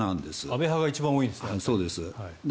安倍派が一番多いですね。